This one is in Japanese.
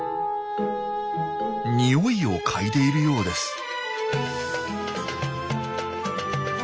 においを嗅いでいるようです。